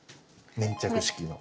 粘着式の。